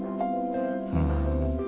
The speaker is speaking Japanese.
ふん。